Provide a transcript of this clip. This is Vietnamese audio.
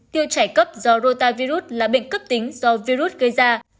tiêu chảy cấp do rota virus là bệnh cấp tính do virus gây ra